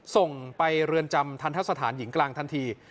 ส่งไปเรือนจำทันทะสถานหญิงกลางทันที